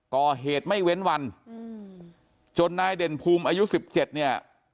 ก่อเหตุไม่เว้นวันจนนายเด่นภูมิอายุ๑๗เนี่ย